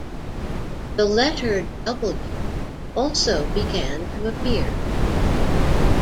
The letter "w" also began to appear.